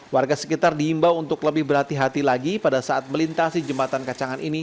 warga sekitar diimbau untuk lebih berhati hati lagi pada saat melintasi jembatan kacangan ini